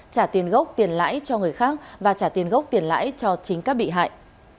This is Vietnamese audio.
trả tiền gốc tiền lãi cho người khác và trả tiền gốc tiền lãi cho chính các bị hại